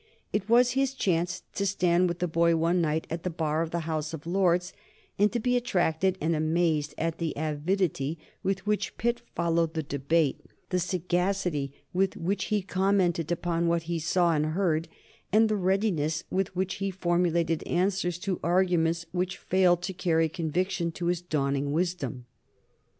It was his chance to stand with the boy one night at the bar of the House of Lords, and to be attracted and amazed at the avidity with which Pitt followed the debate, the sagacity with which he commented upon what he saw and heard, and the readiness with which he formulated answers to arguments which failed to carry conviction to his dawning wisdom.